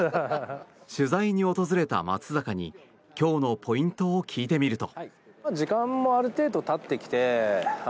取材に訪れた松坂に今日のポイントを聞いてみると。